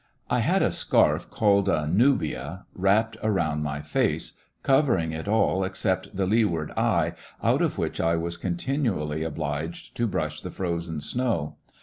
I had a scarf called a "nubia" wrapped How I breathed around my face, covering it all except the lee ward eye, out of which I was continually obliged to brush the frozen snow.